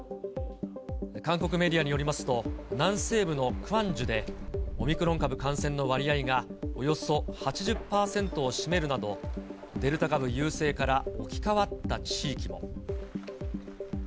韓国メディアによりますと、南西部のクァンジュで、オミクロン株感染の割合がおよそ８０％を占めるなど、デルタ株優勢から置き換わった地域も。